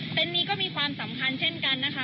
นี้ก็มีความสำคัญเช่นกันนะคะ